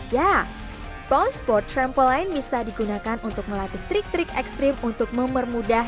ya bounce board trampoline bisa digunakan untuk melatih trik trik ekstrim untuk mempermudah